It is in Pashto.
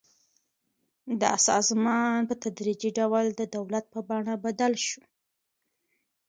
دا سازمان په تدریجي ډول د دولت په بڼه بدل شو.